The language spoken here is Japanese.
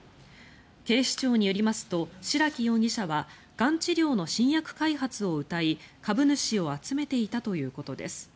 警視庁によりますと白木容疑者はがん治療の新薬開発をうたい株主を集めていたということです。